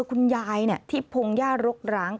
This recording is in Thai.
คุณยายเนี่ยที่โพงย่าลกร้าง